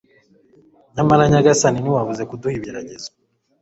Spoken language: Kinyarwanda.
Nyamara Nyagasani ntiwabuze kuduha ibigeragezo